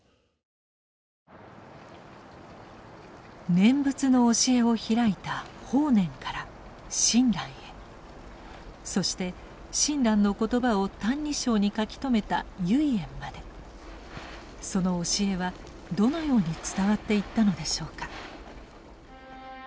念仏の教えを開いた法然から親鸞へそして親鸞の言葉を「歎異抄」に書き留めた唯円までその教えはどのように伝わっていったのでしょうか。